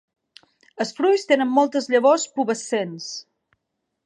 Els fruits tenen moltes llavors pubescents.